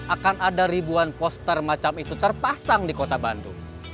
akan ada ribuan poster macam itu terpasang di kota bandung